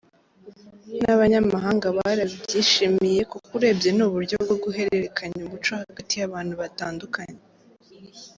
N’abanyamahanga barabyishimiye kuko urebye ni uburyo bwo guhererekanya umuco hagati y’abantu batandukanye.